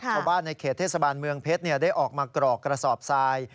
ชาวบ้านในเขตเทศบาลเมืองเพชรได้ออกมากรอกกระสอบทราย